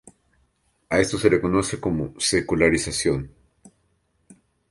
A esto se le conoce como secularización.